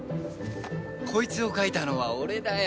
こいつを書いたのは俺だよ。